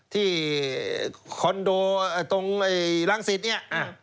ที่คอนโดตรงรังศิษย์นี่